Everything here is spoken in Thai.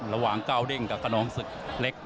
ระหว่างก้าวเด้งกับขนองศึกเล็ก